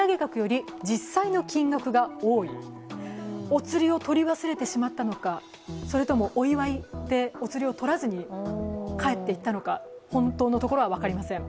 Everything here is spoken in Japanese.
お釣りを取り忘れてしまったのか、それともお祝いでお釣りを取らずに帰って行ったのか、本当のところは分かりません。